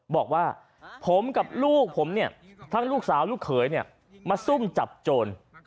บอกว่าผมกับลูกผมเนี่ยทั้งลูกสาวลูกเขยเนี่ยมาซุ่มจับโจร